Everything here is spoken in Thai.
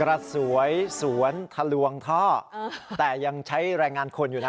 ระสวยสวนทะลวงท่อแต่ยังใช้แรงงานคนอยู่นะ